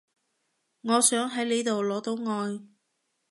我想喺你度攞到愛